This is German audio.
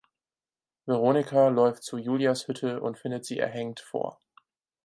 Veronica läuft zu Julias Hütte und findet sie erhängt vor.